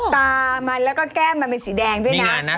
ตามันแล้วก็แก้มมันเป็นสีแดงด้วยนะ